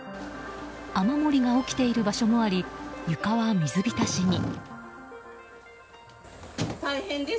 雨漏りが起きている場所もあり床は水浸しに。